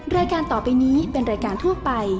รายการต่อไปนี้เป็นรายการทั่วไป